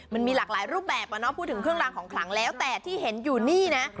มันมีหลากหลายรูปแบบเนาะพูดถึงเครื่องรางของขลังแล้วแต่ที่เห็นอยู่นี่นะ